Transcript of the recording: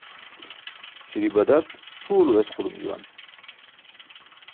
Śi̇ri̇ badat pʰuw lo esqulum juwan.